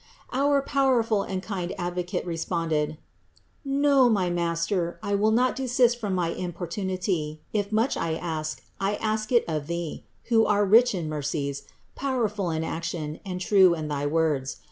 Our powerful and kind Advocate re sponded : "No, my Master, I will not desist from my importunity; if much I ask, I ask it of Thee, who are rich in mercies, powerful in action, true in thy words.